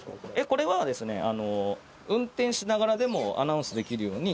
これはですね、運転しながらでもアナウンスできるように。